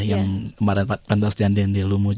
yang kemarin pentas di ande ande lumut